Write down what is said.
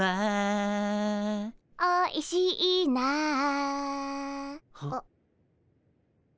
「おいしいな」あ。